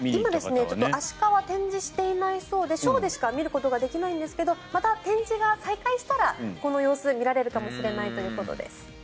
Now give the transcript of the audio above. アシカは展示していないそうでショーでしか見ることができないんですがまた展示が再開したらこの様子が見られるかもしれないということです。